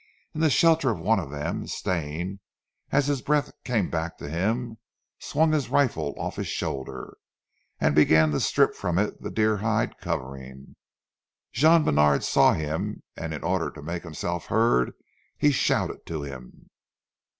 In the shelter of one of them, Stane, as his breath came back to him, swung his rifle off his shoulder, and began to strip from it the deer hide covering. Jean Bènard saw him, and in order to make himself heard shouted to him.